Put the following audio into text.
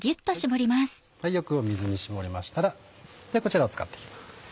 よく水絞れましたらこちらを使って行きます。